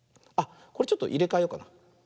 これちょっといれかえようかな。